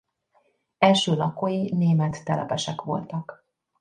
Első lakói német telepesek voltak.